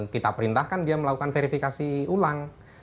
kita perintahkan dia melakukan verifikasi ulang